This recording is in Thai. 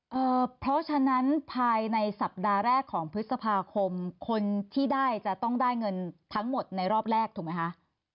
เอ่อเพราะฉะนั้นภายในสัปดาห์แรกของพฤษภาคมคนที่ได้จะต้องได้เงินทั้งหมดในรอบแรกถูกไหมคะ